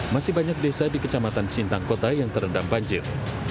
masih banyak desa di kecamatan sintang kota yang terendam banjir